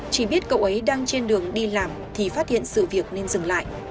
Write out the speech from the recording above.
chỉ biết cậu ấy đang trên đường đi làm thì phát hiện sự việc nên dừng lại